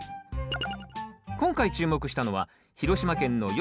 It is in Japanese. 今回注目したのは広島県のよし！